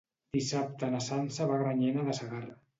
Dissabte na Sança va a Granyena de Segarra.